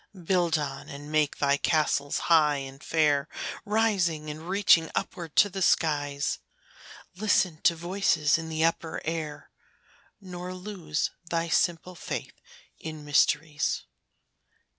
Build on, and make thy castles high and fair, Rising and reaching upward to the skies; Listen to voices in the upper air, Nor lose thy simple faith in mysteries.